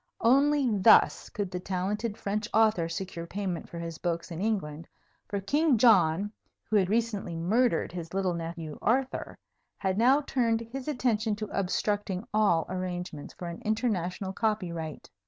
Only thus could the talented French author secure payment for his books in England; for King John, who had recently murdered his little nephew Arthur, had now turned his attention to obstructing all arrangements for an international copyright.